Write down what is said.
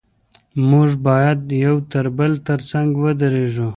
موږ باید د یو بل تر څنګ ودرېږو.